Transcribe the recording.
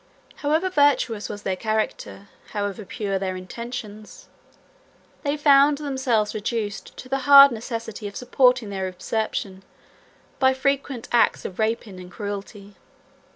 However virtuous was their character, however pure their intentions, they found themselves reduced to the hard necessity of supporting their usurpation by frequent acts of rapine and cruelty.